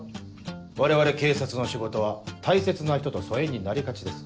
我々警察の仕事は大切な人と疎遠になりがちです。